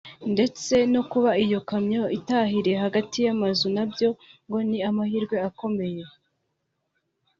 ndetse no kuba iyo kamyo itahiriye hagati y’amazunabyo ngo ni amahirwe akomeye